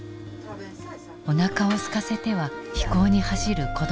おなかをすかせては非行に走る子どもたち。